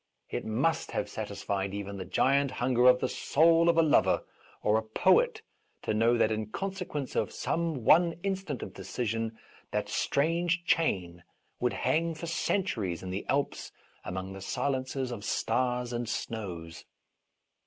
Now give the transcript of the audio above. It must have satisfied even the giant hunger of the soul of a lover or a poet to know that in consequence of some one instant of decision that strange chain would hang for centuries in the Alps among the silences of stars and snows.